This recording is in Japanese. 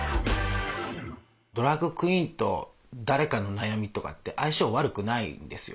ドラァグクイーンと誰かの悩みとかって相性悪くないんですよ。